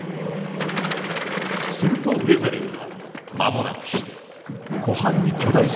するとウェザレルは間もなくして湖畔に巨大生物の足跡を発見する。